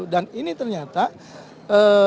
dan ini ternyata eee